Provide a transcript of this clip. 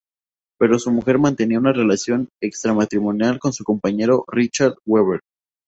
Pero su mujer mantenía una relación extramatrimonial con su compañero Richard Webber.